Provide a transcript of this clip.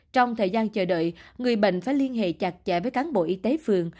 trong thời gian chờ đợi người bệnh phải liên hệ chặt chẽ với cán bộ y tế phường